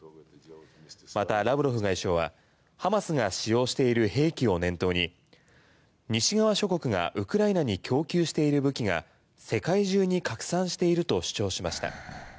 また、ラブロフ外相はハマスが使用している兵器を念頭に西側諸国がウクライナに供給している武器が世界中に拡散していると主張しました。